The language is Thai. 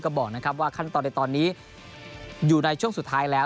ก็บอกนะครับว่าขั้นตอนในตอนนี้อยู่ในช่วงสุดท้ายแล้ว